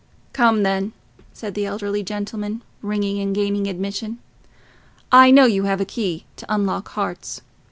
"Come, then," said the elderly gentleman, ringing and gaining admission, "I know you have a key to unlock hearts."